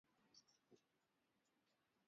Mapunye Mashilingi